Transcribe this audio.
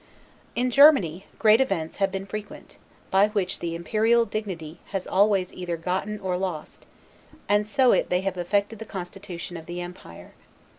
In Germany, great events have been frequent, by which the imperial dignity has always either gotten or lost; and so it they have affected the constitution of the empire.